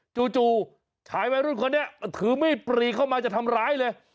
จู่ชายวัยรุ่นคนนี้ถือมีดปรีเข้ามาจะทำร้ายเลย